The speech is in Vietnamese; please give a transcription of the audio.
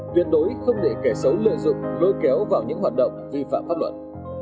tuyệt đối không để kẻ xấu lợi dụng lôi kéo vào những hoạt động vi phạm pháp luật